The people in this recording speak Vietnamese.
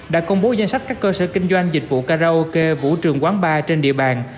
đã công bố danh sách các cơ sở kinh doanh dịch vụ karaoke vũ trường quán bar trên địa bàn